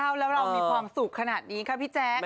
แล้วเรามีความสุขขนาดนี้ค่ะพี่แจ๊ค